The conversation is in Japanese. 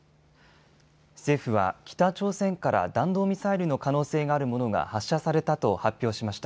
政府は北朝鮮から弾道ミサイルの可能性があるものが発射されたと発表しました。